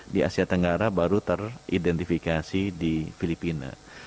di asia tenggara baru teridentifikasi di filipina